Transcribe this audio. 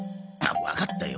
わかったよ！